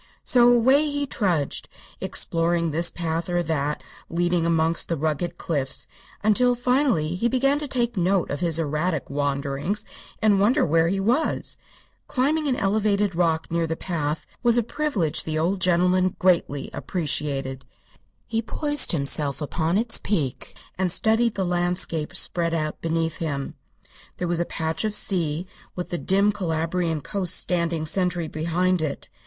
So away he trudged, exploring this path or that leading amongst the rugged cliffs, until finally he began to take note of his erratic wanderings and wonder where he was. Climbing an elevated rock near the path he poised himself upon its peak and studied the landscape spread out beneath him. There was a patch of sea, with the dim Calabrian coast standing sentry behind it.